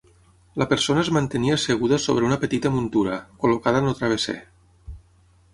La persona es mantenia asseguda sobre una petita muntura, col·locada en el travesser.